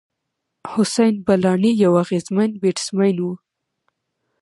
حسېن بلاڼي یو اغېزمن بېټسمېن وو.